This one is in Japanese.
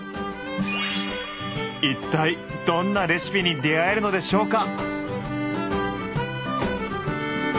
一体どんなレシピに出会えるのでしょうか？